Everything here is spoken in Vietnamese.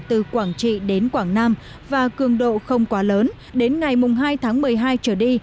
từ quảng trị đến quảng nam và cường độ không quá lớn đến ngày hai tháng một mươi hai trở đi